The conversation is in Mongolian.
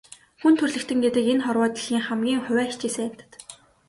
Хүн төрөлхтөн гэдэг энэ хорвоо дэлхийн хамгийн хувиа хичээсэн амьтад.